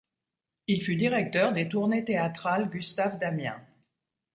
Il fut directeur des tournées Théâtrales Gustave Damien.